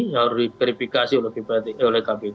yang diperifikasi oleh kpk